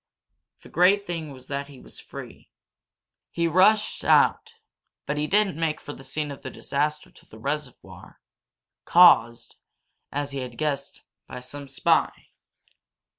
The great thing was that he was free. He rushed out, but he didn't make for the scene of the disaster to the reservoir, caused, as he had guessed, by some spy.